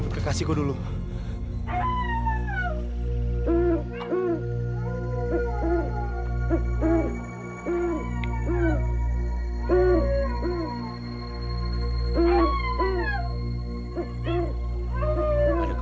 tuh kan aku sulit